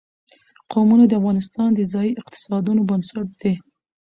قومونه د افغانستان د ځایي اقتصادونو بنسټ دی.